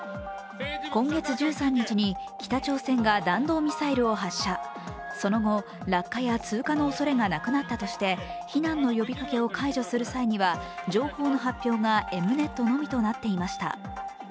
今月１３日に北朝鮮が弾道ミサイルを発射、その後、落下や通過のおそれがなくなったとして避難の呼びかけを解除する際には情報の発表がＥｍ−Ｎｅｔのみとなっておりました。